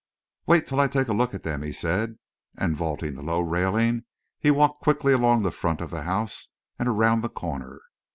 "Wait till I take a look at them," he said, and, vaulting the low railing, he walked quickly along the front of the house and around the corner.